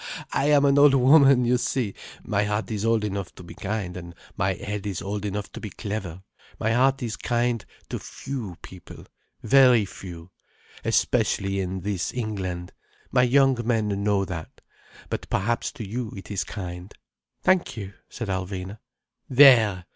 I am an old woman, you see. My heart is old enough to be kind, and my head is old enough to be clever. My heart is kind to few people—very few—especially in this England. My young men know that. But perhaps to you it is kind." "Thank you," said Alvina. "There!